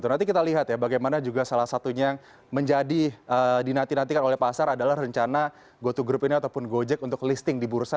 nanti kita lihat ya bagaimana juga salah satunya yang menjadi dinantikan oleh pasar adalah rencana goto group ini ataupun gojek untuk listing di bursa